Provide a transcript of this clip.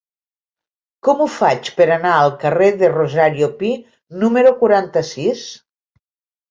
Com ho faig per anar al carrer de Rosario Pi número quaranta-sis?